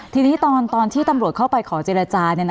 ทีนี้ตอนที่ตำรวจเข้าไปขอเจรจา